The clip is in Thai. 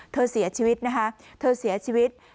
เธอเสียชีวิตนะคะเธอเสียชีวิต